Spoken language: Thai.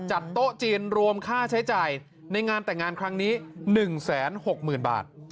โต๊ะจีนรวมค่าใช้จ่ายในงานแต่งงานครั้งนี้๑๖๐๐๐บาท